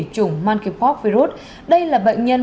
chủng mankypoc virus đây là bệnh nhân